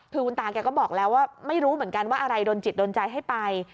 คือคุณตาแกก็บอกแล้วว่าไม่รู้เหมือนกันว่าอะไรโดนจิตโดนใจให้ไป